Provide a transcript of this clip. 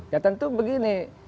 ya tentu begini